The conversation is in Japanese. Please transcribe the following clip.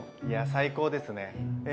いや最高ですね！